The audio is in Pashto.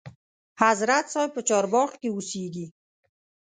حضرت صاحب په چارباغ کې اوسیږي.